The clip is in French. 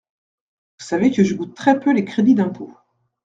Vous savez que je goûte très peu les crédits d’impôt.